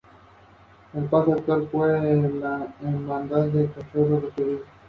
Le acompaña casi siempre una banda de seis músicos polivalentes e intercambiables.